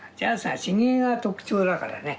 ひげが特徴だからね。